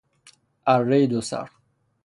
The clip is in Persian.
ارهی دو سر